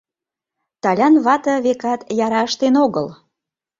Талян вате, векат, яра ыштен огыл...